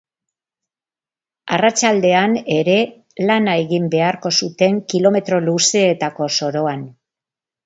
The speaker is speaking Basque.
Arratsaldean ere lana egin beharko zuten kilometro luzeetako soroan.